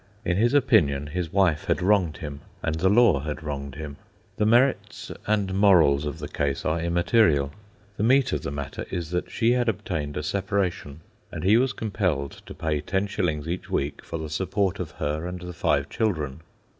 In his opinion, his wife had wronged him and the law had wronged him. The merits and morals of the case are immaterial. The meat of the matter is that she had obtained a separation, and he was compelled to pay ten shillings each week for the support of her and the five children.